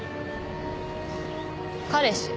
彼氏。